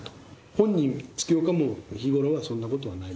本人、月岡も日頃はそんなことはない。